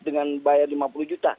dengan bayar lima puluh juta